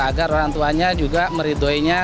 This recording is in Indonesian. agar orang tuanya juga meridhoinya